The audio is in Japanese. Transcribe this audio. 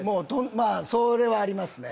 まあそれはありますね